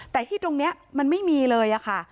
แต่ที่ตรงนี้มันไม่มีเลยค่ะ